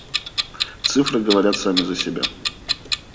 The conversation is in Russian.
Цифры говорят сами за себя.